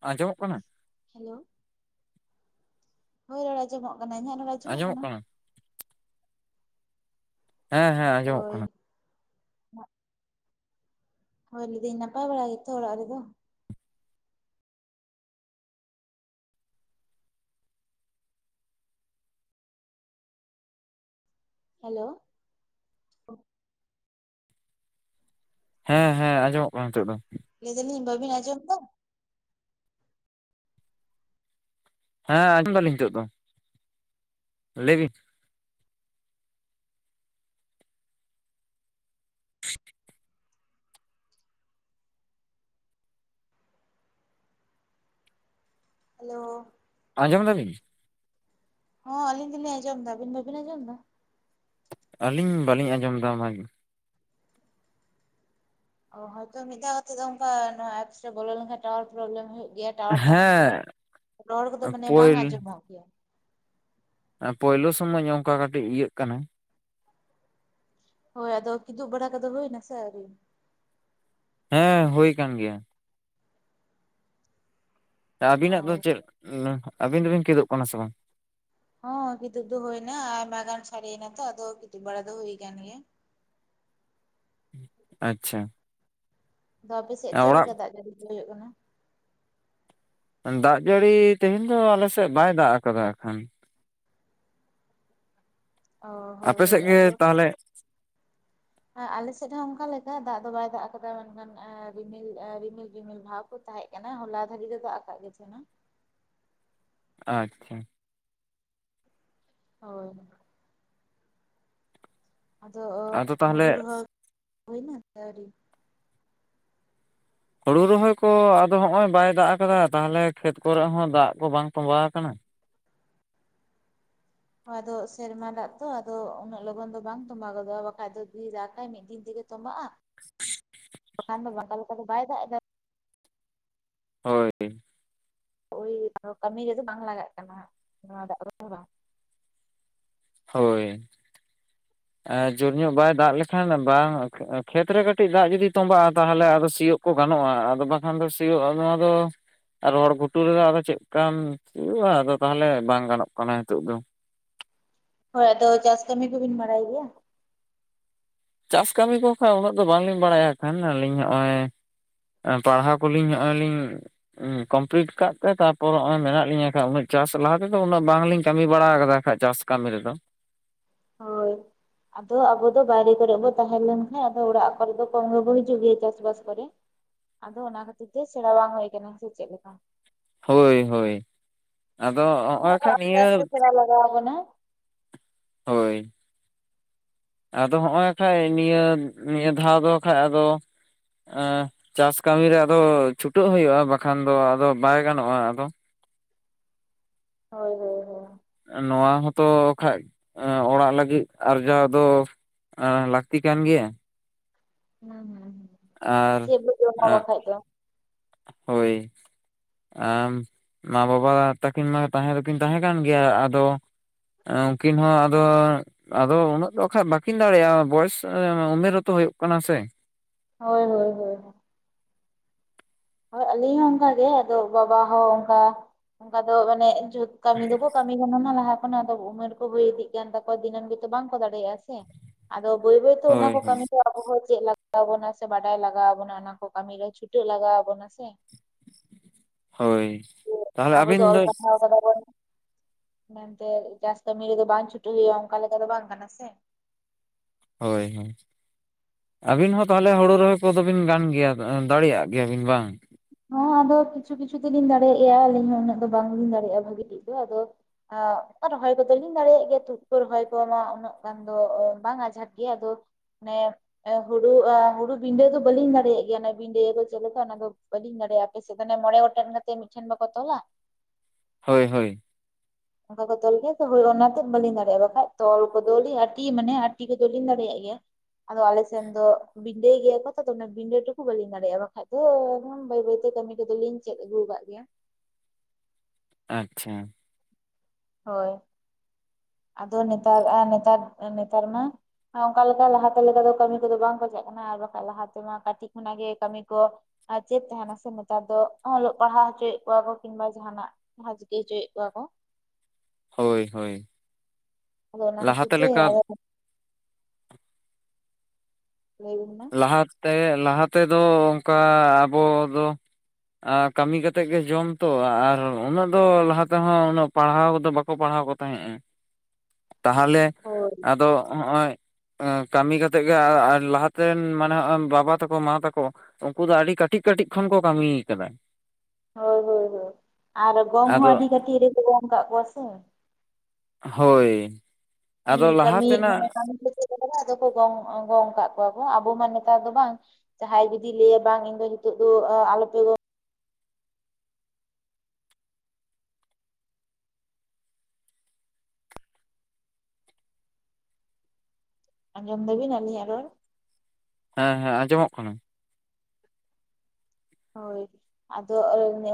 ᱟᱸᱡᱚᱢᱚᱜ ᱠᱟᱱᱟ ᱦᱮᱞᱳ ᱦᱳᱭ ᱨᱚᱲ ᱟᱸᱡᱚᱢᱚᱜ ᱠᱟᱱᱟ ᱤᱧᱟᱜ [unintelligible] ᱟᱸᱡᱚᱢᱚᱜ ᱠᱟᱱᱟ ᱦᱮᱸ ᱦᱮᱸ ᱟᱸᱡᱚᱢᱚᱜ ᱠᱟᱱᱟ [inaudible] ᱦᱚᱭ ᱞᱟᱹᱭ ᱫᱟᱹᱧ ᱱᱟᱯᱟᱭ ᱵᱟᱲᱟ ᱜᱮ ᱛᱚ ᱚᱲᱟᱜ ᱨᱮ ᱫᱚᱼᱼ ᱦᱮᱞᱳ ᱦᱮᱸ ᱦᱮᱸ ᱟᱸᱡᱚᱢᱚᱜ ᱠᱟᱱᱟ ᱱᱤᱛᱚᱜ ᱫᱚᱼᱼ ᱞᱟᱹᱭ ᱫᱟᱞᱤᱧ ᱵᱟᱵᱤᱱ ᱟᱸᱡᱚᱢ ᱮᱫᱟ᱾ ᱦᱮᱸ ᱟᱸᱡᱚᱢ ᱫᱟᱞᱤᱧ ᱱᱤᱛᱚᱜ ᱫᱚ ᱞᱟᱹᱭ ᱵᱤᱱᱼᱼ [inaudible] ᱦᱮᱞᱳ ᱟᱸᱡᱚᱢ ᱫᱟᱵᱤᱱᱼᱼ ᱦᱚᱸ ᱟᱹᱞᱤᱧ ᱫᱚᱞᱤᱧ ᱟᱸᱡᱚᱢ ᱮᱫᱟ ᱟᱹᱵᱤᱱ ᱵᱟᱵᱤᱱ ᱟᱸᱡᱚᱢ ᱮᱫᱟ ᱟᱹᱞᱤᱧ ᱵᱟᱹᱞᱤᱧ ᱟᱸᱡᱚᱢ ᱮᱫᱟ ᱚᱱᱟ ᱜᱮᱼᱼ ᱚ ᱦᱚᱭ ᱛᱚ ᱢᱤᱫ ᱫᱷᱟᱣ ᱠᱟᱛᱮᱜ ᱫᱚ ᱚᱱᱠᱟ ᱮᱯᱥ ᱨᱮ ᱵᱚᱞᱚ ᱞᱮᱱ ᱠᱷᱟᱱ ᱴᱟᱣᱟᱨ ᱯᱨᱚᱵᱽᱞᱮᱢ ᱦᱩᱭᱩᱜ ᱜᱮᱭᱟ ᱴᱟᱣᱟᱨ ᱛᱟᱦᱮᱱ ᱨᱮ ᱦᱮᱸ ᱦᱚᱸ ᱨᱚᱲ ᱠᱚᱫᱚ ᱢᱟᱱᱮ ᱯᱳᱭ ᱵᱟᱝ ᱟᱸᱡᱚᱢᱚᱜ ᱜᱮᱭᱟ [unintelligible] ᱯᱳᱭᱞᱳ ᱥᱚᱢᱚᱭ ᱚᱝᱠᱟ ᱠᱟᱹᱴᱤᱡ ᱤᱭᱟᱹᱜ ᱠᱟᱱᱟ᱾ ᱦᱳᱭ ᱟᱫᱚ ᱠᱤᱫᱩᱵ ᱵᱟᱲᱟ ᱠᱚᱫᱚ ᱦᱩᱭᱱᱟᱥᱮ ᱟᱹᱣᱨᱤ? ᱦᱮᱸ ᱦᱩᱭ ᱠᱟᱱ ᱜᱮᱭᱟ᱾ ᱚ ᱟᱹᱵᱤᱱᱟᱜ ᱫᱚ ᱪᱮᱫ ᱟᱹᱵᱤᱱ ᱫᱚᱵᱤᱱ ᱪᱮᱫᱚᱜ ᱠᱟᱱᱟ ᱥᱮ ᱵᱟᱝ ᱦᱚᱸ ᱠᱤᱫᱩᱵ ᱫᱚ ᱦᱩᱭᱱᱟ ᱟ ᱢᱟᱜᱟᱱ ᱥᱟᱰᱮᱤᱭᱱᱟ ᱛᱚ ᱟᱫᱚ ᱠᱤᱫᱩᱵ ᱵᱟᱲᱟ ᱫᱚ ᱦᱩᱭ ᱟᱠᱟᱱ ᱜᱮᱭᱟ ᱟᱪᱪᱷᱟ ᱟᱫᱚ ᱟᱯᱮᱥᱮᱫ ᱪᱮᱫ ᱚᱲᱟᱜ ᱞᱮᱠᱟ ᱫᱟᱜ ᱡᱟᱹᱲᱤ ᱫᱚ ᱦᱩᱭᱩᱜ ᱠᱟᱱᱟ ᱫᱟᱜ ᱡᱟᱹᱲᱤ ᱛᱮᱦᱮᱧ ᱫᱚ ᱟᱞᱮ ᱥᱮᱫ ᱵᱟᱭ ᱫᱟᱜ ᱟᱠᱟᱫᱟ ᱟᱠᱷᱟᱱ ᱚ ᱦᱳᱭ ᱟᱯᱮ ᱦᱳᱭ ᱥᱮᱫ ᱜᱮ ᱛᱟᱦᱚᱞᱮ ᱟᱞᱮᱥᱮᱫ ᱦᱚᱸ ᱚᱱᱠᱟ ᱞᱮᱠᱟ ᱫᱟᱜ ᱫᱚ ᱵᱟᱭ ᱫᱟᱜ ᱟᱠᱟᱫᱟ ᱢᱮᱱᱠᱷᱟᱱ ᱨᱤᱢᱤᱞ ᱨᱤᱢᱤᱞ ᱨᱤᱢᱤᱞ ᱵᱷᱟᱣ ᱠᱚ ᱛᱟᱦᱮᱸᱛ ᱠᱟᱱᱟ ᱦᱚᱞᱟ ᱫᱷᱟᱹᱨᱤ ᱫᱟᱜ ᱟᱠᱟᱫ ᱜᱮ ᱛᱟᱦᱮᱱᱟ ᱟᱪᱪᱷᱟ ᱦᱳᱭ ᱟᱫᱚ ᱟᱫᱚ ᱛᱟᱦᱚᱞᱮ ᱦᱩᱲᱩ ᱨᱚᱦᱚᱭ ᱦᱩᱭ ᱮᱱᱟ ᱥᱮ ᱟᱣᱨᱤ? ᱦᱳᱲᱩ ᱨᱚᱦᱚᱭ ᱠᱚ ᱟᱫᱚ ᱦᱚᱜ ᱚᱭ ᱵᱟᱭ ᱫᱟᱜ ᱟᱠᱟᱫᱟ ᱛᱟᱦᱚᱞᱮ ᱠᱷᱮᱛ ᱠᱚᱨᱮ ᱦᱚᱸ ᱫᱟᱜ ᱠᱚ ᱵᱟᱝ ᱛᱚᱸᱵᱟᱣ ᱟᱠᱟᱱᱟ ᱟᱫᱚ ᱥᱮᱨᱢᱟ ᱫᱟᱜ ᱛᱚ ᱟᱫᱚ ᱩᱱᱟᱹᱜ ᱞᱚᱜᱚᱱ ᱫᱚ ᱵᱟᱝ ᱛᱚᱸᱵᱟ ᱜᱚᱫᱚᱜᱼᱟ ᱵᱟᱠᱷᱟᱡ ᱫᱚ ᱫᱟᱜᱟᱭ ᱢᱤᱫ ᱫᱤᱱ ᱛᱮᱜᱮ ᱛᱚᱵᱟᱜᱼᱟ [inaudible] ᱵᱟᱠᱷᱟᱱ ᱫᱚ ᱵᱟᱠᱟ ᱞᱮᱠᱟ ᱫᱚ ᱵᱟᱭ ᱫᱟᱜ ᱮᱫᱟ ᱦᱳᱭ ᱳᱭ ᱟᱨ ᱠᱟᱹᱢᱤ ᱨᱮᱫᱚ ᱵᱟᱝ ᱞᱟᱜᱟᱜ ᱠᱟᱱᱟ ᱱᱟᱜ ᱱᱚᱣᱟ ᱫᱟᱜ ᱫᱚ ᱦᱮᱵᱟᱝ ᱦᱳᱭ ᱮ ᱡᱳᱨ ᱧᱚᱜ ᱵᱟᱭ ᱫᱟᱜ ᱞᱮᱠᱷᱟᱱ ᱵᱟᱝ ᱠᱷᱮᱛ ᱨᱮ ᱠᱟᱹᱴᱤᱡ ᱫᱟᱜ ᱡᱩᱫᱤ ᱛᱚᱸᱵᱟᱜᱼᱟ ᱛᱟᱦᱚᱞᱮ ᱟᱫᱚ ᱥᱤᱭᱳᱜ ᱠᱚ ᱜᱟᱱᱚᱜᱼᱟ ᱟᱫᱚ ᱵᱟᱠᱷᱟᱱ ᱫᱚ ᱥᱤᱭᱳᱜᱼᱟ ᱱᱚᱣᱟ ᱫᱚ ᱨᱚᱦᱚᱲ ᱜᱩᱴᱩᱨᱮ ᱟᱫᱚ ᱪᱮᱫ ᱠᱟᱢ ᱦᱩᱭᱩᱜᱼᱟ ᱟᱫᱚ ᱛᱟᱦᱚᱞᱮ ᱵᱟᱝ ᱜᱟᱱᱚᱜ ᱠᱟᱱᱟ ᱱᱤᱛᱚᱜ ᱫᱚ ᱦᱳᱭ ᱟᱫᱚ ᱪᱟᱥ ᱠᱟᱹᱢᱤ ᱠᱚᱵᱤᱱ ᱵᱟᱲᱟᱭ ᱜᱮᱭᱟ ᱪᱟᱥ ᱠᱟᱹᱢᱤ ᱠᱚ ᱠᱷᱚᱡ ᱩᱱᱟᱹᱜ ᱫᱚ ᱵᱟᱝᱞᱤᱧ ᱵᱟᱲᱟᱭᱟ ᱠᱷᱟᱱ ᱟᱹᱞᱤᱧ ᱱᱚᱜᱼᱚᱭ ᱯᱟᱲᱦᱟᱣ ᱠᱚᱞᱤᱧ ᱱᱚᱜᱼᱚᱭ ᱞᱤᱧ ᱩᱜ ᱠᱚᱢᱯᱞᱤᱴ ᱠᱟᱜ ᱛᱮ ᱛᱟᱯᱚᱨ ᱱᱚᱜ ᱚᱭ ᱢᱮᱱᱟᱜ ᱞᱤᱧᱟᱹ ᱠᱷᱟᱱᱡ ᱩᱱᱟᱹᱜ ᱪᱟᱥ ᱞᱟᱦᱟ ᱛᱮᱫᱚ ᱩᱱᱟᱹᱜ ᱵᱟᱝᱞᱤᱧ ᱠᱟᱹᱢᱤ ᱵᱟᱲᱟ ᱟᱠᱟᱫᱟ ᱠᱷᱟᱡ ᱪᱟᱥ ᱠᱟᱹᱢᱤ ᱨᱮᱫᱚ ᱦᱳᱭ ᱟᱫᱚ ᱟᱵᱚ ᱫᱚ ᱵᱟᱭᱨᱮ ᱠᱚᱨᱮ ᱵᱚ ᱛᱟᱦᱮᱸᱞᱱᱠᱷᱟᱱ ᱟᱫᱚ ᱚᱲᱟᱜ ᱠᱚᱨᱮ ᱫᱚ ᱠᱚᱢ ᱜᱮᱵᱚ ᱦᱤᱡᱩᱜ ᱜᱮᱭᱟ ᱪᱟᱥᱵᱟᱥ ᱠᱚᱨᱮ ᱟᱫᱚ ᱚᱱᱟ ᱠᱷᱟᱹᱛᱤᱨ ᱛᱮ ᱥᱮᱬᱟ ᱵᱟᱝ ᱦᱩᱭ ᱟᱠᱟᱱᱟ ᱥᱮ ᱪᱮᱫ ᱞᱮᱠᱟ ᱦᱳᱭ ᱦᱳᱭ ᱟᱫᱚ ᱦᱚᱸᱜᱼᱚᱭ ᱠᱷᱟᱱ ᱟᱥᱛᱮ ᱱᱤᱭᱟᱹ ᱟᱥᱛᱮ ᱥᱮᱬᱟ ᱞᱟᱜᱟᱣ ᱵᱚᱱᱟ᱾ ᱦᱳᱭ ᱟᱫᱚ ᱦᱚᱸᱜᱼᱚᱭ ᱠᱷᱟᱱᱡ ᱱᱤᱭᱟᱹ ᱱᱤᱭᱟᱹ ᱫᱷᱟᱣ ᱫᱚ ᱠᱷᱟᱱ ᱟᱫᱚ ᱟᱸ ᱪᱟᱥ ᱠᱟᱹᱢᱤ ᱨᱮ ᱟᱫᱚ ᱪᱷᱩᱴᱟᱹᱜ ᱦᱩᱭᱩᱜᱼᱟ ᱵᱟᱠᱷᱟᱱ ᱫᱚ ᱟᱫᱚ ᱵᱟᱭ ᱜᱟᱱᱚᱜᱼᱟ ᱟᱫᱚ ᱦᱳᱭ ᱦᱳᱭ ᱦᱳᱭ ᱱᱚᱣᱟ ᱦᱚᱸᱛᱚ ᱠᱷᱟᱡ ᱚᱲᱟᱜ ᱞᱟᱹᱜᱤᱫ ᱟᱨᱡᱟᱣ ᱫᱚ ᱟ ᱞᱟᱹᱠᱛᱤ ᱠᱟᱱ ᱜᱮᱭᱟ ᱟᱱᱟ ᱢᱟ ᱦᱩᱸ ᱟᱨ ᱪᱮᱫ ᱵᱚ ᱡᱚᱢᱟ ᱟᱸᱜ ᱵᱟᱠᱷᱟᱡ ᱫᱚ ᱦᱳᱭ ᱟᱢ ᱢᱟ ᱵᱟᱵᱟ ᱛᱟᱹᱠᱤᱱ ᱢᱟ ᱛᱟᱦᱮᱸ ᱫᱚᱠᱤᱱ ᱛᱟᱦᱮᱸ ᱠᱟᱱ ᱜᱮᱭᱟ ᱟᱫᱚ ᱩᱱᱠᱤᱱ ᱦᱚᱸ ᱟᱫᱚ ᱟᱫᱚ ᱩᱱᱟᱹᱜ ᱫᱚ ᱵᱟᱠᱷᱟᱡ ᱵᱟᱹᱠᱤᱱ ᱫᱟᱲᱮᱭᱟᱜᱼᱟ ᱵᱚᱭᱮᱥ ᱩᱢᱮᱨ ᱦᱟᱛᱚ ᱦᱩᱭᱩᱜ ᱠᱟᱱᱟ ᱥᱮ ᱦᱳᱭ ᱦᱳᱭ ᱦᱳᱭ᱾ ᱦᱳᱭ ᱟᱹᱞᱤᱧ ᱦᱚᱸ ᱚᱱᱠᱟᱜ ᱜᱮ ᱟᱫᱚ ᱵᱟᱵᱟ ᱦᱚᱸ ᱚᱱᱠᱟ ᱚᱱᱠᱟ ᱫᱚ ᱢᱟᱱᱮ ᱡᱩᱛ ᱠᱟᱹᱢᱤ ᱫᱚᱠᱚ ᱠᱟᱹᱢᱤ ᱠᱟᱱᱟ ᱱᱟᱦᱟᱜ ᱞᱟᱦᱟ ᱠᱷᱚᱱᱟᱜ ᱫᱚ ᱩᱢᱮᱨ ᱠᱚ ᱦᱩᱭ ᱤᱫᱤᱜ ᱜᱟᱱ ᱛᱟᱠᱚᱣᱟ ᱫᱤᱱᱟᱹᱢ ᱜᱮᱛᱚ ᱵᱟᱝᱠᱚ ᱫᱟᱲᱮᱭᱟᱜᱼᱟ ᱥᱮ ᱟᱫᱚ ᱵᱟᱹᱭ ᱵᱟᱹᱭ ᱛᱮ ᱚᱱᱟ ᱦᱳᱭ ᱠᱚ ᱦᱳᱭ ᱠᱟᱹᱢᱤ ᱫᱚ ᱟᱵᱚ ᱦᱚᱸ ᱪᱮᱫ ᱞᱟᱜᱟᱣ ᱵᱚᱱᱟ ᱥᱮ ᱵᱟᱰᱟᱭ ᱞᱟᱜᱟᱣ ᱵᱚᱱᱟ ᱚᱱᱟ ᱠᱚ ᱠᱟᱹᱢᱤ ᱨᱮ ᱪᱷᱩᱴᱟᱹᱜ ᱞᱟᱜᱟᱣ ᱟᱵᱚ ᱟᱵᱚᱱᱟ ᱥᱮ ᱦᱳᱭ ᱛᱟᱦᱚᱞᱮ ᱟᱵᱚ ᱟᱹᱵᱤᱱ ᱫᱚ ᱚᱞᱯᱟᱲᱦᱟᱣ ᱠᱟᱫᱟ ᱵᱚᱱ᱾ ᱢᱮᱱᱛᱮ ᱪᱟᱥ ᱠᱟᱹᱢᱤ ᱨᱮᱫᱚ ᱵᱟᱝ ᱪᱷᱩᱴᱟᱹᱜ ᱦᱩᱭᱩᱜᱼᱟ ᱚᱱᱠᱟ ᱞᱮᱠᱟ ᱫᱚ ᱵᱟᱝ ᱠᱟᱱᱟ ᱥᱮ᱾ ᱦᱳᱭ ᱦᱳᱭ᱾ ᱟᱹᱵᱤᱱ ᱦᱚᱸ ᱛᱟᱦᱚᱞᱮ ᱦᱳᱲᱳ ᱨᱚᱦᱚᱭ ᱠᱚᱫᱚ ᱵᱤᱱ ᱜᱟᱱ ᱜᱮᱭᱟ ᱫᱟᱲᱮᱭᱟᱜ ᱜᱮᱭᱟᱵᱤᱱ ᱵᱟᱝ? ᱦᱚᱸ ᱟᱫᱚ ᱠᱤᱪᱷᱩ ᱠᱤᱪᱷᱩ ᱫᱚᱞᱤᱧ ᱫᱟᱲᱮᱭᱟᱜ ᱜᱮᱭᱟ, ᱟᱞᱤᱧ ᱦᱚᱸ ᱩᱱᱟᱹᱜ ᱫᱚ ᱵᱟᱝᱞᱤᱧ ᱫᱟᱲᱮᱭᱟᱜᱼᱟ ᱵᱷᱟᱜᱤ ᱴᱷᱤᱠ ᱫᱚ ᱟᱫᱚ ᱨᱚᱦᱚᱭ ᱠᱚᱫᱚ ᱞᱤᱧ ᱫᱟᱲᱮᱭᱟᱜ ᱜᱮᱭᱟ ᱛᱩᱫ ᱠᱚ ᱨᱚᱦᱚᱭ ᱠᱚ ᱢᱟ ᱩᱱᱟᱹᱜ ᱜᱟᱱ ᱫᱚ ᱵᱟᱝ ᱟᱡᱷᱟᱴ ᱜᱮᱭᱟ ᱟᱫᱚ ᱢᱟᱱᱮ ᱦᱩᱲᱩ ᱦᱩᱲᱩ ᱵᱤᱸᱰᱟᱹ ᱫᱚ ᱵᱟᱹᱞᱤᱧ ᱫᱟᱲᱮᱭᱟᱜ ᱜᱮᱭᱟ ᱚᱱᱟ ᱵᱤᱸᱰᱟᱹ ᱫᱚ ᱪᱮᱫ ᱞᱮᱠᱟ ᱚᱱᱟ ᱫᱚ ᱵᱟᱹᱞᱤᱧ ᱫᱟᱲᱮᱭᱟᱜᱼᱟ, ᱟᱯᱮ ᱥᱮᱫ ᱫᱚ ᱚᱱᱮ ᱢᱚᱬᱮ ᱜᱚᱴᱮᱱ ᱠᱟᱛᱮ ᱢᱤᱫᱴᱷᱮᱱ ᱵᱟᱠᱚ ᱛᱚᱞᱟ᱾ ᱦᱳᱭ ᱦᱳᱭ᱾ ᱚᱱᱠᱟ ᱠᱚ ᱛᱚᱞ ᱜᱮᱭᱟ ᱛᱚ, ᱦᱳᱭ ᱚᱱᱟᱛᱮᱫ ᱵᱟᱹᱞᱤᱧ ᱫᱟᱲᱮᱭᱟᱜᱼᱟ, ᱵᱟᱠᱷᱟᱡ ᱛᱚᱞ ᱠᱚᱫᱚᱞᱤᱧ ᱟᱴᱤ ᱢᱟᱱᱮ ᱟᱴᱤ ᱠᱚᱫᱚᱞᱤᱧ ᱫᱟᱲᱮᱭᱟᱜ ᱜᱮᱭᱟ᱾ ᱟᱫᱚ ᱟᱞᱮᱥᱮᱱ ᱫᱚ ᱵᱤᱰᱟᱹᱭ ᱜᱮᱭᱟ ᱠᱚ ᱛᱚ ᱚᱱ ᱵᱤᱰᱟᱹ ᱴᱩᱠᱩ ᱵᱟᱞᱤᱧ ᱫᱟᱲᱮᱭᱟᱜᱼᱟ, ᱵᱟᱠᱷᱟᱡ ᱫᱚ ᱵᱟᱹᱭ ᱵᱟᱹᱭᱛᱮ ᱠᱟᱹᱢᱤ ᱠᱚᱫᱚᱞᱤᱧ ᱪᱮᱫ ᱟᱹᱜᱩ ᱟᱠᱟᱫ ᱜᱮᱭᱟ᱾ ᱟᱪᱪᱷᱟ᱾ ᱦᱳᱭ ᱟᱫᱚ ᱱᱮᱛᱟᱨ ᱟᱨ ᱱᱮᱛᱟᱨ ᱱᱮᱛᱟᱨ ᱢᱟ ᱚᱱᱠᱟ ᱞᱮᱠᱟ ᱞᱟᱦᱟᱛᱮ ᱞᱮᱠᱟ ᱫᱚ ᱠᱟᱹᱢᱤ ᱠᱚᱫᱚ ᱵᱟᱝ ᱠᱷᱚᱡᱟᱜ ᱠᱟᱱᱟ ᱟᱨ ᱵᱟᱠᱟᱱ ᱞᱟᱦᱟ ᱛᱮᱢᱟ ᱠᱟᱹᱴᱤᱡ ᱠᱷᱚᱱᱟᱜ ᱜᱮ ᱠᱟᱢᱤ ᱠᱚ ᱟᱨ ᱪᱮᱫ ᱛᱟᱦᱮᱱᱟ ᱥᱮ ᱱᱮᱛᱟᱨ ᱫᱚ ᱚᱞᱚᱜ ᱯᱟᱲᱦᱟᱣ ᱦᱚᱪᱚᱭᱮᱫ ᱠᱚᱣᱟ ᱠᱚ ᱠᱤᱝᱵᱟ ᱡᱟᱦᱟᱱᱟᱜ᱾ ᱡᱟᱦᱟᱸ ᱪᱤᱠᱟᱹ ᱦᱚᱪᱚᱭᱮᱫ ᱠᱚᱣᱟ ᱠᱚ᱾ ᱦᱳᱭ ᱦᱳᱭ᱾ ᱟᱫᱚ ᱚᱱᱟ ᱠᱷᱟᱹᱛᱤᱨ ᱞᱟᱦᱟᱛᱮ ᱛᱮ ᱞᱮᱠᱟ ᱟᱫᱚ ᱞᱟᱹᱭ ᱵᱤᱱ ᱢᱟ᱾ ᱞᱟᱦᱟᱛᱮ ᱞᱟᱦᱟ ᱛᱮᱫᱚ ᱚᱝᱠᱟ ᱟᱵᱚ ᱫᱚ ᱟ ᱠᱟᱹᱢᱤ ᱠᱟᱛᱮᱫ ᱜᱮ ᱡᱚᱢ ᱛᱚ ᱟᱨ ᱩᱱᱟᱹᱜ ᱫᱚ ᱞᱟᱦᱟ ᱛᱮᱦᱚᱸ ᱩᱱᱟᱹᱜ ᱯᱟᱲᱦᱟᱣ ᱠᱚᱫᱚ ᱵᱟᱠᱚ ᱯᱟᱲᱦᱟᱣ ᱠᱚ ᱛᱟᱦᱮᱸᱜ ᱮ ᱛᱟᱦᱟᱞᱮ ᱦᱳᱭ ᱟᱫᱚ ᱦᱚᱸᱜᱼᱚᱭ ᱠᱟᱹᱢᱤ ᱠᱟᱛᱮ ᱜᱮ ᱟᱨ ᱞᱟᱦᱟᱛᱮ ᱨᱮᱱ ᱢᱟᱱᱮ ᱦᱚᱜᱼᱚᱭ ᱵᱟᱵᱟ ᱛᱟᱠᱚ ᱢᱟ ᱛᱟᱠᱚ ᱩᱱᱠᱩ ᱫᱚ ᱟᱹᱰᱤ ᱠᱟᱹᱴᱤᱡ ᱠᱟᱹᱴᱤᱡ ᱠᱷᱚᱱ ᱠᱚ ᱠᱟᱹᱢᱤᱣ ᱠᱟᱫᱟ᱾ ᱦᱳᱭ ᱦᱳᱭ ᱦᱳᱭ, ᱟᱨ ᱜᱚᱝ ᱦᱚᱸ ᱟᱫᱚ ᱟᱹᱰᱤ ᱠᱟᱹᱴᱤᱡ ᱨᱮᱠᱚᱮ ᱜᱚᱝ ᱠᱟᱜ ᱠᱚᱣᱟ ᱥᱮ᱾ ᱦᱳᱭ᱾ ᱠᱟᱹᱢᱤ ᱟᱫᱚ ᱞᱟᱦᱟ ᱠᱟᱹᱢᱤ ᱛᱮᱱᱟᱜ ᱢᱟᱱᱮ ᱠᱟᱹᱢᱤ ᱟᱫᱚ ᱠᱚ ᱜᱚᱝ ᱜᱚᱝ ᱠᱟᱜ ᱠᱚᱣᱟ ᱠᱚ ᱟᱵᱚ ᱢᱟ ᱱᱮᱛᱟᱨ ᱫᱚ ᱵᱟᱝ᱾ ᱡᱟᱦᱟᱸᱭ ᱡᱩᱫᱤᱭ ᱞᱟᱹᱭᱟ ᱵᱟᱝ ᱤᱧ ᱫᱚ ᱱᱤᱛᱚᱜ ᱫᱚ ᱟᱞᱚᱯᱮ ᱟᱸᱡᱚᱢ ᱫᱟᱵᱤᱱ ᱟᱞᱤᱧᱟᱜ ᱨᱚᱲ? ᱦᱮᱸ ᱦᱮᱸ, ᱟᱸᱡᱚᱢᱚᱜ ᱠᱟᱱᱟ᱾ ᱦᱳᱭ ᱟᱫᱚ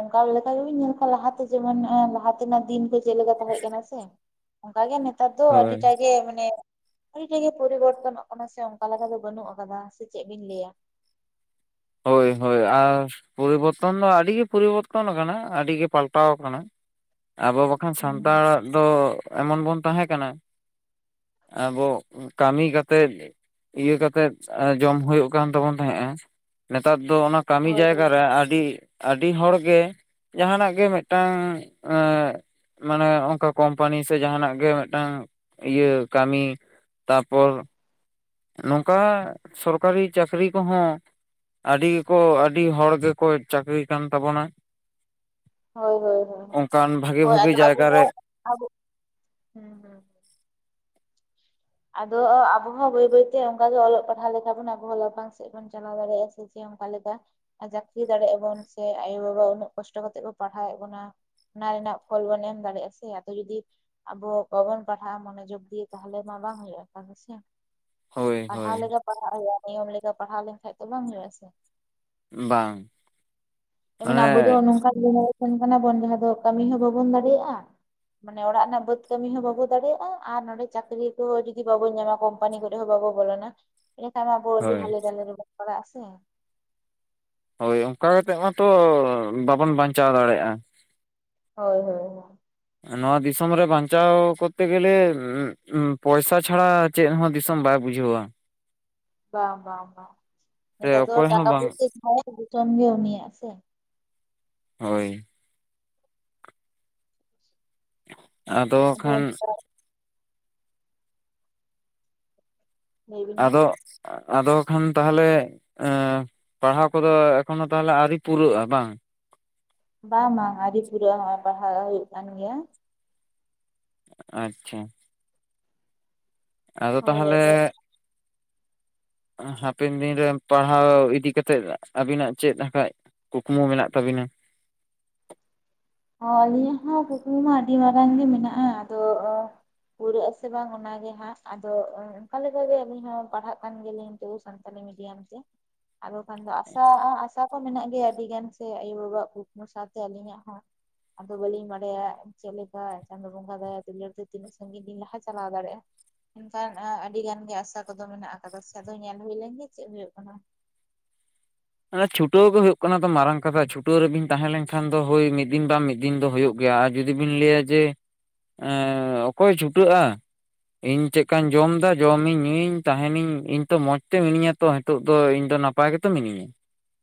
ᱚᱱᱠᱟ ᱞᱮᱠᱟ ᱜᱮᱵᱤᱱ ᱧᱮᱞ ᱠᱚᱣᱟ ᱞᱟᱦᱟᱛᱮ ᱡᱮᱢᱚᱱ ᱞᱟᱦᱟᱛᱮᱱᱟᱜ ᱫᱤᱱ ᱠᱚ ᱪᱮᱱᱞᱮᱠᱟ ᱛᱟᱦᱮᱸᱜ ᱠᱟᱱᱟ ᱥᱮ ᱚᱱᱠᱟ ᱜᱮ ᱱᱮᱛᱟᱨ ᱫᱚ ᱦᱳᱭ ᱟᱹᱰᱤᱴᱟᱜ ᱜᱮ ᱢᱟᱱᱮ ᱟᱹᱰᱤᱴᱟᱜᱮ ᱯᱚᱨᱤᱵᱚᱨᱛᱚᱱᱚᱜ ᱠᱟᱱᱟ ᱥᱮ ᱚᱱᱠᱟ ᱞᱮᱠᱟ ᱫᱚ ᱵᱟᱹᱱᱩᱜ ᱟᱠᱟᱫᱟ, ᱥᱮ ᱪᱮᱜ ᱵᱤᱱ ᱞᱟᱹᱭᱟ? ᱦᱳᱭ ᱦᱳᱭ, ᱟᱨ ᱯᱚᱨᱤᱵᱚᱨᱛᱚᱱ ᱫᱚ ᱟᱰᱤ ᱜᱮ ᱯᱚᱨᱤᱵᱚᱨᱛᱚᱱ ᱟᱠᱟᱱᱟ ᱟᱰᱤ ᱜᱮ ᱯᱟᱞᱴᱟᱣ ᱠᱟᱱᱟ᱾ ᱟᱵᱚ ᱵᱟᱠᱷᱟᱱ ᱦᱩᱸ ᱥᱟᱱᱛᱟᱲᱟᱜ ᱫᱚ ᱮᱢᱚᱱ ᱵᱚᱱ ᱛᱟᱦᱮᱸ ᱠᱟᱱᱟ ᱟᱵᱚ ᱠᱟᱢᱤ ᱠᱟᱛᱮᱫ ᱤᱭᱟᱹ ᱠᱟᱛᱮᱫ ᱡᱚᱢ ᱦᱩᱭᱩᱜ ᱠᱟᱱ ᱛᱟᱵᱚᱱ ᱛᱟᱦᱮᱸᱜᱼᱟ᱾ ᱱᱮᱛᱟᱨ ᱫᱚ ᱚᱱᱟ ᱠᱟᱢᱤ ᱦᱳᱭ ᱡᱟᱭᱜᱟ ᱨᱮ ᱟᱰᱤ ᱟᱰᱤ ᱦᱚᱲ ᱜᱮ ᱡᱟᱦᱟᱸᱱᱟᱜ ᱜᱮ ᱢᱤᱫᱴᱟᱝ ᱟᱹ ᱢᱟᱱᱮ ᱚᱝᱠᱟ ᱠᱳᱢᱯᱟᱱᱤ ᱥᱮ ᱡᱟᱦᱟᱸᱱᱟᱜ ᱜᱮ ᱢᱤᱫᱴᱟᱝ ᱤᱭᱟᱹ ᱠᱟᱹᱢᱤ ᱛᱟᱯᱚᱨ ᱱᱚᱝᱠᱟ ᱥᱚᱨᱠᱟᱨᱤ ᱪᱟᱹᱠᱨᱤ ᱠᱚᱦᱚᱸ ᱟᱹᱰᱤ ᱜᱮᱠᱚ ᱟᱹᱰᱤ ᱦᱚᱲ ᱜᱮᱠᱚ ᱪᱟᱹᱠᱨᱤ ᱠᱟᱱ ᱛᱟᱵᱚᱱᱟ᱾ ᱦᱳᱭ ᱦᱳᱭ ᱦᱳᱭ ᱚᱱᱠᱟᱱ ᱵᱷᱟᱜᱤ ᱦᱳᱭ ᱟᱫᱚ ᱵᱷᱟᱜᱤ ᱡᱟᱭᱜᱟ ᱟᱵᱚ ᱨᱮ ᱦᱩᱸ ᱦᱩᱸ᱾ ᱟᱫᱚ ᱟᱵᱚ ᱦᱚᱸ ᱵᱟᱹᱭ ᱵᱟᱹᱭᱛᱮ ᱚᱝᱠᱟ ᱜᱮ ᱚᱞᱚᱜ ᱯᱟᱲᱦᱟᱣ ᱞᱮ ᱞᱮᱠᱟ ᱵᱚᱱ ᱟᱵᱚ ᱦᱚᱸ ᱞᱟᱯᱷᱟᱝ ᱥᱮᱫ ᱪᱟᱞᱟᱣ ᱫᱟᱲᱮᱭᱟᱜᱼᱟ ᱥᱮ ᱪᱮᱫ ᱚᱝᱠᱟ ᱞᱮᱠᱟ ᱟ ᱪᱟᱠᱨᱤ ᱫᱟᱲᱮᱭᱟᱜᱼᱟ ᱵᱚᱱ ᱥᱮ ᱟᱭᱳᱼᱵᱟᱵᱟ ᱩᱱᱟᱹᱜ ᱠᱚᱥᱴᱚ ᱠᱟᱛᱮᱜ ᱠᱚ ᱯᱟᱲᱦᱟᱣᱮᱫ ᱵᱚᱱᱟ, ᱚᱱᱟ ᱨᱮᱱᱟᱜ ᱯᱷᱚᱞ ᱵᱚᱱ ᱮᱢ ᱫᱟᱲᱮᱭᱟᱜᱼᱟ ᱥᱮ ᱟᱫᱚ ᱡᱩᱫᱤ ᱟᱵᱚ ᱵᱟᱵᱚᱱ ᱯᱟᱲᱦᱟᱜᱼᱟ ᱢᱚᱱᱳᱚᱡᱜᱽ ᱫᱤᱭᱮ ᱛᱟᱦᱚᱞᱮ ᱢᱟ ᱵᱟᱝ ᱦᱩᱭᱩᱜᱼᱟ ᱚᱝᱠᱟ ᱫᱚᱥᱮ, ᱦᱳᱭ ᱯᱟᱲᱦᱟᱣ ᱦᱳᱭ ᱞᱮᱠᱟ ᱯᱟᱲᱦᱟᱜ ᱦᱩᱭᱩᱜᱼᱟ, ᱱᱤᱭᱚᱢ ᱞᱮᱠᱟ ᱯᱟᱲᱦᱟᱣ ᱞᱮᱱᱠᱷᱟᱡ ᱫᱚ ᱵᱟᱝ ᱦᱩᱭᱩᱜᱼᱟ ᱥᱮ? ᱵᱟᱝ ᱢᱟᱱᱮ ᱟᱵᱚ ᱫᱚ ᱚᱱᱮ ᱱᱚᱝᱠᱟ ᱤᱭᱟᱹ [unintelligible] ᱚᱱ ᱠᱟᱱᱟ ᱵᱚᱱ ᱡᱟᱦᱟᱸ ᱫᱚ ᱠᱟᱹᱢᱤ ᱦᱚᱸ ᱵᱟᱵᱚᱱ ᱫᱟᱲᱮᱭᱟᱜᱼᱟ ᱢᱟᱱᱮ ᱚᱲᱟᱜ ᱨᱮᱱᱟᱜ ᱵᱟᱹᱫᱽ ᱠᱟᱹᱢᱤ ᱦᱚᱸ ᱵᱟᱵᱚ ᱫᱟᱲᱮᱭᱟᱜᱼᱟ ᱟᱨ ᱱᱚᱸᱰᱮ ᱪᱟᱹᱠᱨᱤ ᱛᱚ ᱡᱩᱫᱤ ᱵᱟᱵᱚᱱ ᱧᱟᱢᱟ ᱠᱢᱯᱟᱱᱤ ᱠᱚᱨᱮ ᱦᱚᱸ ᱵᱟᱵᱚ ᱵᱚᱞᱚᱱᱟ ᱮᱱᱰᱮᱠᱷᱟᱱ ᱢᱟ ᱟᱵᱚ ᱟᱹᱰᱤ ᱦᱳᱭ ᱦᱟᱞᱮ ᱰᱟᱞᱮ ᱨᱮᱵᱚᱱ ᱯᱟᱲᱟᱜᱼᱟ ᱥᱮ? ᱦᱳᱭ ᱚᱝᱠᱟ ᱠᱟᱛᱮᱜ ᱢᱟᱛᱚ ᱵᱟᱵᱚᱱ ᱵᱟᱧᱪᱟᱣ ᱫᱟᱲᱮᱭᱟᱜᱼᱟ᱾ ᱦᱳᱭ ᱦᱳᱭ ᱦᱳᱭ᱾ ᱱᱚᱣᱟ ᱫᱤᱥᱚᱢ ᱨᱮ ᱵᱟᱧᱪᱟᱣ ᱠᱚᱨᱛᱮ ᱜᱮᱞᱮ ᱯᱚᱭᱥᱟ ᱪᱷᱟᱲᱟ ᱪᱮᱜ ᱦᱚᱸ ᱫᱤᱥᱚᱢ ᱵᱟᱭ ᱵᱩᱡᱷᱟᱹᱣᱟ᱾ ᱵᱟᱝ ᱵᱟᱝ ᱵᱟᱝ ᱥᱮ ᱱᱮᱛᱟᱨ ᱫᱚ ᱚᱠᱚᱭ ᱦᱚᱸ ᱴᱟᱠᱟ ᱵᱟᱝ ᱯᱚᱭᱥᱟᱹ ᱡᱟᱦᱟᱭᱟᱜ ᱫᱩᱥᱚᱱ ᱜᱮ ᱩᱱᱤᱭᱟᱜ ᱥᱮ? ᱦᱳᱭ᱾ ᱟᱫᱚ ᱠᱷᱟᱱ ᱞᱟᱹᱭ ᱵᱤᱱ ᱢᱟ ᱟᱫᱚᱜ ᱟᱫᱚ ᱠᱷᱟᱱ ᱛᱟᱦᱚᱞᱮ ᱯᱟᱲᱦᱟᱣ ᱠᱚᱫᱚ ᱮᱠᱷᱚᱱᱚ ᱫᱚ ᱛᱟᱦᱚᱞᱮ ᱟᱹᱣᱨᱤ ᱯᱩᱨᱟᱹᱜᱼᱟ ᱵᱟᱝ? ᱵᱟᱝ ᱵᱟᱝ ᱟᱹᱣᱨᱤ ᱯᱩᱨᱟᱹᱜᱼᱟ ᱱᱚᱜᱼᱚᱭ ᱯᱟᱲᱦᱟᱜ ᱦᱩᱭᱩᱜ ᱠᱟᱱ ᱜᱮᱭᱟ᱾ ᱟᱪᱪᱷᱟ᱾ ᱟᱫᱚ ᱦᱳᱭ ᱟᱫᱚ ᱛᱟᱦᱚᱞᱮ ᱦᱟᱯᱮᱱ ᱫᱤᱱ ᱨᱮ ᱯᱟᱲᱦᱟᱣ ᱤᱫᱤ ᱠᱟᱛᱮᱫ ᱟᱹᱵᱤᱱᱟᱜ ᱪᱮᱫ ᱟᱠᱷᱟᱡ ᱠᱩᱠᱢᱩ ᱢᱮᱱᱟᱜ ᱛᱟᱵᱤᱱᱟ? ᱦᱚᱸ ᱟᱹᱞᱤᱧᱟᱜ ᱦᱚᱸ ᱠᱩᱠᱢᱩ ᱢᱟ ᱟᱹᱰᱤ ᱢᱟᱨᱟᱝ ᱜᱮ ᱢᱮᱱᱟᱜᱼᱟ, ᱟᱫᱚ ᱯᱩᱨᱟᱹᱜ ᱟᱥᱮ ᱵᱟᱝ ᱚᱱᱟᱜᱮ ᱦᱟᱸᱜ ᱟᱫᱚ ᱚᱝᱠᱟ ᱞᱮᱠᱟᱜᱮ ᱟᱞᱤᱧ ᱦᱚᱸ ᱯᱟᱲᱦᱟᱜ ᱠᱟᱱ ᱜᱮᱭᱟᱞᱤᱧᱚ ᱛᱚᱵᱩ ᱥᱟᱱᱛᱟᱞᱤ ᱢᱰᱤᱭᱟᱢ ᱟᱫᱚ ᱠᱷᱟᱱ ᱫᱚ ᱟᱥᱟ ᱟᱥᱟ ᱠᱚ ᱢᱮᱱᱟᱜ ᱜᱮᱭᱟ ᱟᱹᱰᱤ ᱜᱟᱱ ᱥᱮ ᱟᱭᱳ-ᱵᱟᱵᱟ ᱟᱜ ᱠᱩ ᱚᱱᱟ ᱥᱟᱶᱛᱮ ᱟᱹᱞᱤᱧᱟᱜ ᱦᱚᱸ᱾ ᱟᱫᱚ ᱵᱟᱹᱞᱤᱧ ᱵᱟᱲᱟᱭᱟ ᱪᱮᱫ ᱞᱮᱠᱟ ᱪᱟᱸᱫᱳ ᱵᱚᱸᱜᱟ ᱫᱟᱭᱟ ᱫᱩᱞᱟᱹᱲ ᱛᱮ ᱛᱤᱹᱜ ᱥᱟᱺᱤᱧᱤᱧ ᱞᱟᱦᱟ ᱪᱟᱞᱟᱣ ᱫᱟᱲᱮᱭᱟᱜᱼᱟ᱾ ᱢᱮᱱᱠᱷᱟᱱ ᱟᱹᱰᱤ ᱜᱟᱱ ᱜᱮ ᱟᱥᱟ ᱠᱚᱫᱚ ᱢᱮᱱᱟᱜ ᱟᱠᱟᱫᱟ ᱥᱮ ᱟᱫᱚ ᱧᱮᱞ ᱦᱩᱭ ᱞᱮᱱ ᱜᱮ ᱪᱮᱫ ᱦᱩᱭᱩᱜ ᱠᱟᱱᱟ᱾ ᱚᱱᱟ ᱪᱷᱩᱴᱟᱹᱣ ᱜᱮ ᱦᱩᱭᱩᱜ ᱠᱟᱱᱟ ᱛᱚ ᱢᱟᱨᱟᱝ ᱠᱟᱛᱷᱟ ᱪᱷᱩᱴᱟᱹᱣ ᱨᱮᱵᱤᱱ ᱛᱟᱦᱮᱸ ᱞᱮᱱᱠᱷᱟᱱ ᱫᱚ ᱦᱳᱭ ᱢᱤᱫ ᱫᱤᱱ ᱵᱟ ᱢᱤᱫ ᱫᱤᱱ ᱫᱚ ᱦᱩᱭᱩᱜ ᱜᱮᱭᱟ, ᱟᱨ ᱡᱩᱫᱤ ᱵᱤᱱ ᱞᱟᱹᱭᱟ ᱡᱮ ᱮᱸ ᱚᱠᱚᱭ ᱪᱷᱩᱴᱟᱹᱜᱼᱟ᱾ ᱤᱧ ᱪᱮᱫᱠᱟᱧ ᱡᱚᱢ ᱫᱟ ᱡᱚᱢᱤᱧ ᱧᱩᱭᱤᱧ ᱛᱟᱦᱮᱸᱱᱟᱧ ᱛᱚ ᱢᱚᱡᱽ ᱛᱮ ᱢᱤᱱᱟᱧᱟ, ᱛᱚ ᱦᱤᱛᱳᱜ ᱫᱚ ᱤᱧ ᱫᱚ ᱱᱟᱯᱟᱭ ᱜᱮᱛᱚ ᱢᱤᱱᱟᱹᱧᱟ,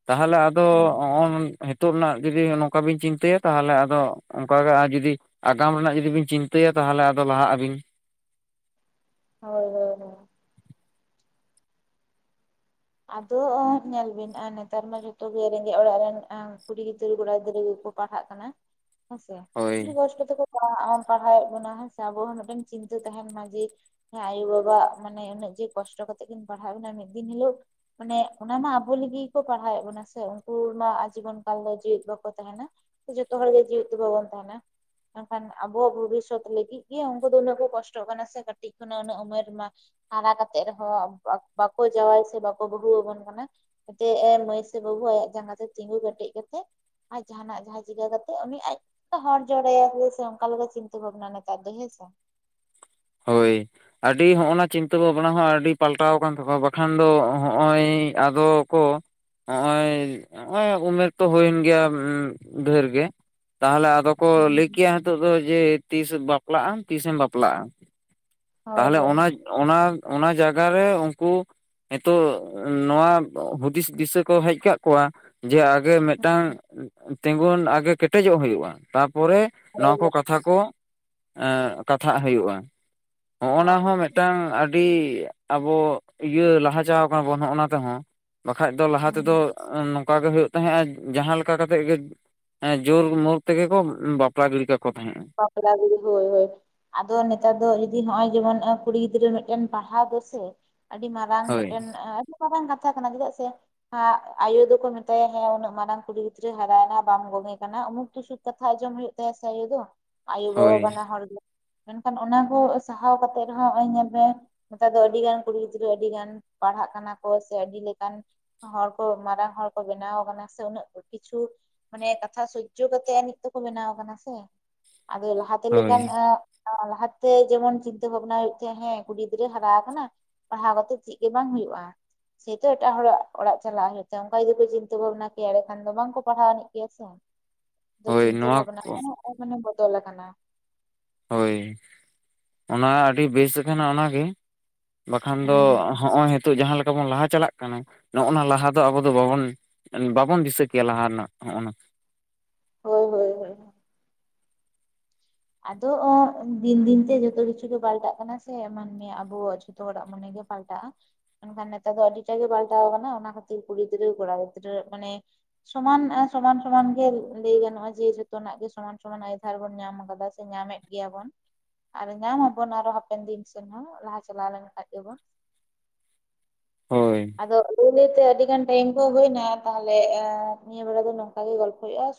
ᱛᱟᱦᱚᱞᱮ ᱟᱫᱚ ᱦᱩᱸ ᱦᱚᱜᱼᱚᱭ ᱡᱤᱛᱳᱜ ᱨᱮᱱᱟᱜ ᱡᱩᱫᱤ ᱱᱚᱝᱠᱟ ᱵᱤᱱ ᱪᱤᱱᱛᱟᱹᱭᱟ ᱛᱟᱦᱚᱞᱮ ᱟᱫᱚ ᱚᱱᱠᱟᱜᱮ ᱟᱨ ᱡᱩᱫᱤ ᱟᱜᱟᱢ ᱨᱮᱱᱟᱜ ᱡᱩᱫᱤ ᱵᱤᱱ ᱪᱤᱱᱛᱟᱹᱭᱟ ᱛᱟᱦᱚᱞᱮ ᱟᱫᱚ ᱞᱟᱦᱟᱜ ᱟᱵᱤᱱ ᱦᱚᱭ ᱦᱚᱭ ᱟᱫᱚ ᱚᱜ ᱧᱮᱞ ᱵᱤᱱ ᱟᱨ ᱱᱮᱛᱟᱨ ᱢᱟ ᱡᱚᱛᱚᱜ ᱜᱮ ᱨᱮᱸᱜᱮᱡ ᱚᱲᱟᱜ ᱨᱮᱱ ᱠᱩᱲᱤ ᱜᱤᱫᱽᱨᱟᱹ ᱠᱚᱲᱟ ᱜᱤᱫᱽᱨᱟᱹ ᱜᱮᱠᱚ ᱯᱟᱲᱦᱟᱜ ᱠᱟᱱᱟ ᱦᱮᱸᱥᱮ ᱟᱹᱰᱤ ᱦᱳᱭ ᱠᱚᱥᱴᱚ ᱛᱮᱠᱚ ᱯᱟ ᱟᱜ ᱯᱟᱲᱦᱟᱣᱮᱫ ᱵᱚᱱᱟ ᱦᱮᱸ ᱥᱮ ᱟᱵᱚ ᱦᱚᱸ ᱢᱤᱫᱴᱮᱱ ᱪᱤᱱᱛᱟᱹ ᱛᱟᱦᱮᱱ ᱢᱟ ᱡᱮ ᱦᱮᱸ ᱟᱭᱳ ᱵᱟᱵᱟᱟᱜ ᱢᱟᱱᱮ ᱩᱱᱟᱹᱜ ᱡᱮ ᱠᱚᱥᱴᱚ ᱠᱟᱛᱮᱜ ᱠᱤᱱ ᱯᱟᱲᱦᱟᱣ ᱮᱫ ᱵᱚᱱᱟ ᱢᱤᱫ ᱫᱤᱱ ᱦᱤᱞᱳᱜ ᱢᱟᱱᱮ ᱚᱱᱟᱢᱟ ᱟᱵᱚ ᱞᱟᱹᱜᱤᱫ ᱜᱮᱠᱚ ᱯᱟᱲᱦᱟᱣᱮᱫ ᱵᱚᱱᱟ ᱥᱮ ᱩᱱᱠᱩ ᱢᱟ ᱡᱤᱵᱚᱱ ᱠᱟᱞ ᱫᱚ ᱡᱮᱣᱮᱫ ᱵᱟᱠᱚ ᱛᱟᱦᱮᱱᱟ ᱡᱚᱛᱚ ᱦᱚᱲᱜ ᱜᱮ ᱡᱤᱣᱤᱛᱚ ᱵᱚᱜᱚᱱ ᱛᱟᱦᱮᱱᱟ ᱢᱮᱱᱠᱷᱟᱱ ᱟᱵᱚᱣᱟᱜ ᱵᱷᱚᱵᱤᱥᱥᱚᱛ ᱞᱟᱹᱜᱤᱫ ᱜᱮ ᱩᱱᱠᱩ ᱫᱚ ᱩᱱᱟᱹᱜ ᱠᱚ ᱠᱚᱥᱴᱚᱜ ᱠᱟᱱᱟ ᱥᱮ ᱠᱟᱹᱴᱤᱡ ᱠᱷᱚᱱᱟᱜ ᱩᱱᱟᱹᱜ ᱩᱢᱮᱨ ᱢᱟ ᱦᱟᱨᱟ ᱠᱟᱛᱮᱜ ᱨᱮᱦᱚᱸ ᱵᱟᱠᱚ ᱡᱟᱶᱟᱭ ᱥᱮ ᱵᱟᱠᱚ ᱵᱟᱹᱦᱩ ᱟᱵᱚᱱ ᱠᱟᱱᱟ ᱡᱮ ᱮᱱᱛ ᱢᱟᱹᱭ ᱥᱮ ᱵᱟᱹᱵᱩ ᱟᱭᱟᱜ ᱡᱟᱸᱜᱟ ᱛᱮ ᱛᱤᱸᱜᱩ ᱠᱮᱴᱮᱡ ᱠᱟᱛᱮᱮᱫ ᱟᱡ ᱡᱟᱦᱟᱱᱟᱜ ᱡᱟᱦᱟᱸᱟᱭ ᱪᱤᱠᱟᱹ ᱠᱟᱛᱮᱜ ᱩᱱᱤ ᱟᱡ ᱦᱚᱲᱚᱨ ᱡᱲᱟᱭ ᱟᱥᱮ ᱥᱮ ᱚᱱᱠᱟ ᱞᱮᱠᱟᱟᱜᱮ ᱪᱤᱱᱛᱟᱹ ᱵᱷᱟᱵᱽᱱᱟᱮᱛᱟᱨ ᱫᱚ ᱦᱮᱸᱥᱮ ᱦᱳᱭ ᱟᱹᱰᱤ ᱦᱚᱸᱜᱼᱚ ᱱᱟ ᱪᱤᱱᱛᱟᱹ ᱵᱷᱟᱵᱽᱱᱟ ᱦᱚᱸ ᱟᱹᱰᱤ ᱯᱟᱞᱴᱟᱣ ᱟᱠᱟᱱ ᱛᱟᱠᱚᱣᱟ ᱵᱟᱠᱷᱟᱱ ᱫᱚ ᱦᱚᱜᱼᱚᱭ ᱟᱫᱚ ᱠᱚ ᱦᱚᱸᱜᱼᱚᱭ ᱱᱚᱜᱼᱚᱭ ᱩᱢᱮᱨ ᱛᱚ ᱦᱩᱭᱮᱱ ᱜᱮᱭᱟ ᱰᱷᱮᱨ ᱜᱮ ᱛᱟᱦᱞᱮ ᱟᱫᱚ ᱠᱚ ᱞᱟᱹᱭ ᱦᱩᱸ ᱠᱮᱭᱟ ᱱᱤᱛᱚᱜ ᱫᱚ ᱡᱮ ᱛᱤᱥ ᱵᱟᱯᱞᱟᱜᱼᱟᱢ ᱛᱤᱥᱮᱢ ᱵᱟᱯᱞᱟᱜᱼᱟ ᱦᱳᱭ ᱛᱟᱦᱚᱞᱮ ᱦᱳᱭ ᱚᱱᱟ ᱚᱱᱟ ᱚᱱᱟ ᱡᱟᱭᱜᱟᱮ ᱩᱱᱠᱩ ᱱᱤᱛᱚᱜ ᱱᱚᱣᱟ ᱦᱩᱫᱤᱥ ᱫᱤᱥᱟᱹ ᱠᱚ ᱦᱮᱡ ᱠᱟᱜ ᱠᱚᱣᱟ ᱡᱮ ᱟᱜᱮ ᱢᱤᱫᱴᱟᱝ ᱛᱤᱜᱩᱱ ᱟᱜᱮ ᱠᱮᱴᱮᱡᱚᱜ ᱦᱩᱭᱩᱜᱼᱟ ᱛᱟᱯᱚᱨᱮ ᱱᱚᱣᱟ ᱦᱳᱭ ᱠᱚᱛᱷᱟ ᱠᱟᱛᱷᱟ ᱠᱚ ᱮᱸᱜ ᱠᱟᱛᱷᱟᱜ ᱦᱩᱭᱩᱜᱼᱟ ᱦᱚᱜᱼᱚ ᱱᱚᱶᱟ ᱦᱳᱭ ᱦᱚᱸ ᱴᱟᱝ ᱟᱹᱰᱤ ᱟᱵᱚ ᱤᱭᱟᱹ ᱞᱟᱦᱟ ᱪᱟᱣ ᱠᱟᱱᱟ ᱵᱚᱱ ᱦᱚᱜᱼᱚᱱᱟ ᱛᱮᱦᱚᱸ ᱵᱟᱠᱷᱟᱡ ᱫᱚ ᱞᱟᱦᱟ ᱦᱩᱸ ᱛᱮᱫᱚ ᱱᱚᱝᱠᱟ ᱜᱮ ᱦᱩᱭᱩᱜ ᱛᱟᱦᱮᱸᱡᱼᱟ ᱡᱟᱦᱟᱸ ᱞᱮᱠᱟ ᱠᱟᱛᱮᱜ ᱜᱮ ᱦᱮᱸ ᱡᱳᱨ ᱢᱳᱨ ᱛᱮᱜᱮ ᱠᱚ ᱵᱟᱯᱞᱟ ᱜᱤᱰᱤᱤ ᱠᱟᱠᱚ ᱛᱟᱦᱮᱡᱸᱼᱟ ᱵᱟᱯᱞᱟ ᱜᱤᱲᱤ ᱦᱳᱭ ᱦᱳᱭ ᱟᱫᱚ ᱱᱮᱛᱟᱨ ᱫᱚ ᱡᱩᱫᱤ ᱱᱚᱜ ᱚᱚᱭ ᱡᱮᱢᱚᱱ ᱠᱩᱲᱤ ᱜᱤᱫᱽᱨᱟᱹ ᱢᱮᱴᱮᱱ ᱯᱟᱦᱟᱣ ᱫᱚᱥᱮ ᱟᱹᱰᱤ ᱢᱟᱨᱟᱝ ᱦᱳᱭ ᱢᱮᱴᱮᱱ ᱟᱹᱰᱤ ᱢᱟᱨᱟᱝ ᱠᱟᱛᱷᱟ ᱠᱟᱱᱟ ᱪᱮᱫᱟᱜ ᱥᱮ ᱦᱜ ᱟᱭᱳ ᱫᱚᱠᱚ ᱢᱮᱛᱟᱭᱟ ᱦᱮᱸ ᱩᱱᱟᱹᱜ ᱢᱟᱨᱟᱝ ᱠᱩᱲᱤ ᱜᱤᱫᱽᱨᱟᱹ ᱦᱟᱨᱟᱭᱱᱟ ᱵᱟᱝ ᱜᱚᱝᱮ ᱠᱟᱱᱟ ᱩᱢᱩᱠ ᱛᱩᱥᱩᱠ ᱠᱟᱛᱷᱟ ᱟᱸᱡᱚᱢ ᱦᱩᱭᱩᱜ ᱛᱟᱭᱟ ᱥᱮ ᱟᱭᱩ ᱫᱚ ᱟᱭᱩᱼᱵᱟᱵᱟ ᱦᱳᱭ ᱵᱟᱱᱟ ᱦᱚᱲ ᱜᱮ ᱢᱮᱱᱠᱷᱟᱱ ᱚᱱᱟ ᱠᱚ ᱥᱟᱦᱟᱣ ᱠᱟᱛᱮᱜ ᱨᱮᱦᱚᱸ ᱚᱭ ᱧᱮᱞ ᱢᱮᱮ ᱱᱮᱛᱟᱨ ᱫᱚ ᱟᱹᱰᱤ ᱜᱟᱱ ᱠᱩᱲᱤ ᱜᱤᱫᱽᱨᱟᱹ ᱟᱹᱰᱤ ᱜᱟᱱ ᱯᱟᱲᱦᱟᱜ ᱠᱟᱱᱟ ᱠᱚ ᱥᱮ ᱟᱹᱰᱤ ᱞᱮᱠᱟᱱ ᱦᱚᱲ ᱠᱚ ᱢᱟᱨᱟᱝ ᱦᱚ ᱠᱚ ᱵᱮᱱᱟᱣ ᱠᱟᱱᱟ ᱥᱮ ᱩᱱᱟᱹᱜ ᱠᱚ ᱠᱤᱪᱷᱩ ᱢᱟᱱᱮ ᱠᱟᱛᱷᱟ ᱥᱣᱡᱡᱣ ᱠᱟᱛᱮᱜ ᱟ ᱱᱤᱛ ᱛᱮᱠᱚ ᱵᱮᱱᱟᱣ ᱠᱟᱱᱟ ᱥᱮ ᱟᱫᱚ ᱞᱟᱦᱟᱛᱮᱱ ᱦᱳᱭ ᱞᱮᱠᱟᱱ-ᱟᱜ ᱞᱟᱦᱟᱛᱮ ᱡᱮᱢᱚᱱ ᱪᱤᱱᱛᱣᱹ ᱵᱷᱟᱵᱱᱟ ᱦᱩᱭᱩᱜ ᱛ ᱦᱮᱸ ᱠᱩᱲᱤ ᱜᱤᱫᱽᱨᱟᱹ ᱦᱟᱨᱟ ᱟᱠᱟᱱᱟ ᱯᱟᱦᱟᱣ ᱠᱟᱛᱮᱜ ᱪᱮᱫ ᱜᱮ ᱵᱟᱝ ᱦᱩᱭᱩᱜᱼᱟ ᱡᱮ ᱛᱚ ᱮᱴᱟᱜ ᱦᱚᱲᱟᱜ ᱚᱲᱟᱜ ᱪᱟᱞᱟᱜ ᱦᱩᱭᱩᱜ ᱛᱮ ᱚᱱᱠᱟ ᱜᱮᱠᱚ ᱪᱤᱱᱛᱶᱹ ᱵᱷᱟᱵᱱᱟ ᱠᱭ ᱮᱰᱮᱠᱷᱟᱱ ᱫᱚ ᱵᱟᱝᱠᱚ ᱯᱟᱲᱦᱟᱣ ᱟᱤᱡ ᱠᱮᱮᱭᱟ ᱥᱮ ᱟᱫᱚ ᱦᱳᱭ ᱪᱤᱱᱛᱟᱹ ᱱᱚᱣᱟ ᱵᱷᱟᱵᱱᱟ ᱠᱚ ᱠᱚ ᱢᱟᱱᱮ ᱵᱚᱫᱚᱞ ᱟᱠᱟᱱᱟ ᱦᱳᱭ ᱚᱱᱟ ᱟᱹᱰᱤ ᱵᱮᱥ ᱟᱠᱟᱱᱟ ᱚᱱᱟᱜᱮ ᱵᱟᱠᱷᱟᱱ ᱫᱚ ᱦᱩᱸ ᱦᱩᱸ ᱦᱚᱸᱜ ᱚᱭ ᱦᱮᱛ ᱛᱳᱜ ᱡᱟᱦᱟᱸ ᱞᱮᱠᱟ ᱵᱚᱱ ᱞᱟᱦᱟ ᱪᱟᱞᱟᱜ ᱠᱟᱱᱟ ᱱᱚᱼᱱᱟ ᱞᱟᱦᱟ ᱫᱚ ᱟᱵᱚ ᱫᱚ ᱵᱟᱵᱚᱱ ᱵᱟᱵᱚᱱ ᱫᱤᱥᱟᱹ ᱠᱮᱭᱟ ᱞᱟᱦᱟ ᱨᱮᱱᱟᱜ ᱦᱚᱜᱼᱚ ᱦᱳᱭ ᱦᱳᱭ ᱦᱳᱭ ᱟᱫᱚ ᱚᱜ ᱫᱤᱱ ᱫᱤᱱ ᱛᱮ ᱡᱚᱛᱚ ᱠᱤᱪᱷᱩ ᱜᱮ ᱯᱟᱞᱴᱟᱜ ᱠᱟᱱᱟ ᱥᱮ. ᱢᱟᱱᱮ ᱢᱮ ᱟᱵᱚᱣᱟᱜ ᱡᱷᱚᱛᱚ ᱦᱚᱲᱟᱜ ᱢᱚᱱᱮ ᱜᱮ ᱯᱟᱞᱴᱟᱜᱼᱟ ᱢᱮᱱᱠᱷᱟᱱ ᱱᱮᱛᱟᱨ ᱫᱚ ᱟᱹᱰᱤᱴᱟ ᱜᱮ ᱯᱟᱞᱴᱟᱣ ᱠᱟᱱᱟ ᱚᱱᱟ ᱠᱷᱟᱹᱛᱤᱨ ᱠᱩᱲᱤ ᱜᱤᱫᱽᱨᱟᱹ ᱠᱚᱲᱟ ᱜᱤᱫᱽᱨᱟᱹ ᱢᱟᱱᱮ ᱥᱚᱢᱟᱱ ᱮ ᱥᱚᱢᱟᱱ ᱥᱚᱢᱟᱱ ᱜᱮ ᱞᱟᱹᱭ ᱜᱟᱱᱚᱜᱼᱟ ᱡᱮ ᱡᱚᱛᱚᱱᱟᱜ ᱜᱮ ᱥᱚᱢᱟᱱ ᱥᱚᱢᱟᱱ ᱟᱭᱫᱷᱟᱨ ᱵᱚᱱ ᱧᱟᱢ ᱟᱠᱟᱫᱟ᱾ ᱥᱮ ᱧᱟᱢᱮᱫ ᱜᱮᱭᱟ ᱵᱚᱱ ᱟᱨ ᱧᱟᱢ ᱟᱵᱚᱱ ᱟᱨᱚ ᱦᱟᱯᱮᱱ ᱫᱤᱱ ᱥᱮᱱ ᱦᱚᱸ ᱞᱟᱦᱟ ᱪᱟᱞᱟᱣ ᱠᱷᱟᱡ ᱜᱮᱵᱚᱱ ᱦᱳᱭ ᱟᱫᱚ ᱞᱟᱹᱭ ᱞᱟᱹᱭᱛᱮ ᱟᱹᱰᱤ ᱜᱟᱱ ᱴᱟᱭᱤᱢ ᱠᱚ ᱦᱩᱭᱱᱟ ᱛᱟᱦᱞᱮ-ᱮ ᱱᱤᱭᱟᱹ ᱵᱮᱲᱟ ᱫᱚ ᱱᱚᱝᱠᱟ ᱜᱮ ᱜᱚᱞᱯᱷᱚ ᱦᱩᱭᱩᱜᱼᱟ᱾